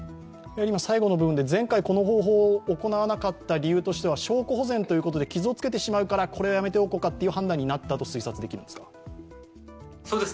最後の部分で、前回この方法を行わなかった理由は、証拠保全ということで傷をつけてしまうからこれはやめておこうかという判断になったと推察できるんですか？